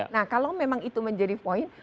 nah kalau memang itu menjadi poin